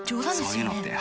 「そういうのって